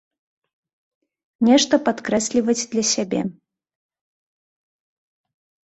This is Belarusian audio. Нешта падкрэсліваць для сябе.